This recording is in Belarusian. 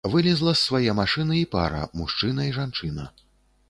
Вылезла з свае машыны і пара, мужчына і жанчына.